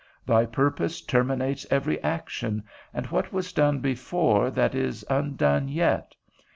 Thy purpose terminates every action, and what was done before that is undone yet.